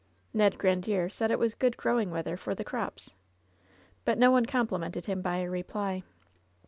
Ned Grandiere said it was good growing weather for the crops. But no one complimented him by a reply.